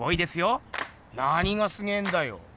なにがすげえんだよ？